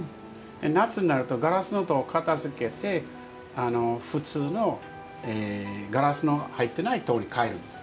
夏になるとガラスの戸を片づけて普通のガラスの入ってない戸に替えるんです。